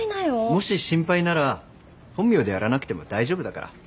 もし心配なら本名でやらなくても大丈夫だから。